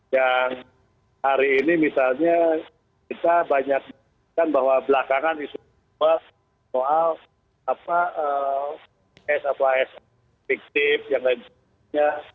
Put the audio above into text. yang hari ini misalnya kita banyak mengatakan bahwa belakangan isu soal s fiktif yang lain sebagainya